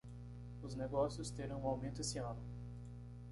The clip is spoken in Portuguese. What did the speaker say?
Os negócios terão um aumento esse ano.